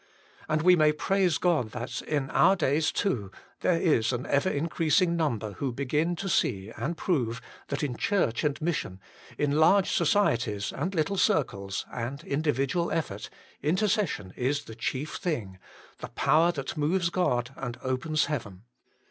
And we may praise God that, in our days too, there is an ever increasing number who begin to see and prove that in church and mission, in large societies and little circles and individual effort, intercession is the chief thing, the power that moves God and opens heaven.